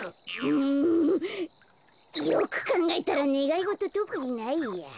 よくかんがえたらねがいごととくにないや。